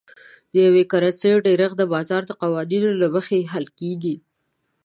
د یوې کرنسۍ ډېرښت د بازار د قوانینو له مخې حل کیږي.